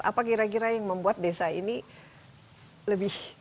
apa kira kira yang membuat desa ini lebih